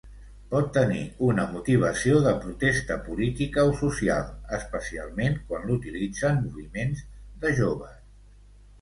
Pot tenir una motivació de protesta política o social, especialment quan l'utilitzen moviments de joves.